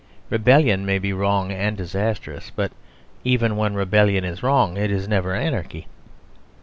Rebellion may be wrong and disastrous; but even when rebellion is wrong, it is never anarchy.